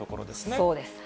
そうです。